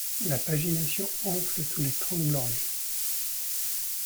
La pagination enfle sous les Trente Glorieuses.